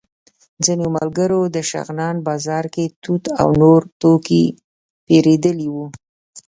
ځینو ملګرو د شغنان بازار کې توت او نور توکي پېرلي وو.